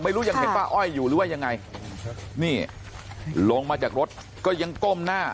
ยังเห็นป้าอ้อยอยู่หรือว่ายังไงนี่ลงมาจากรถก็ยังก้มหน้า